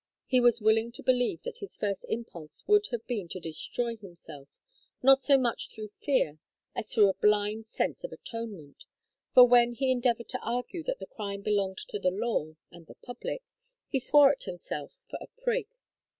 He was willing to believe that his first impulse would have been to destroy himself, not so much through fear as through a blind sense of atonement, for when he endeavored to argue that the crime belonged to the law and the public, he swore at himself for a prig.